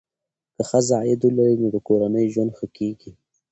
که ښځه عاید ولري، نو د کورنۍ ژوند ښه کېږي.